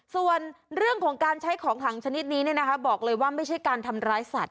ส่วนเรื่องของการใช้ของขังชนิดนี้บอกเลยว่าไม่ใช่การทำร้ายสัตว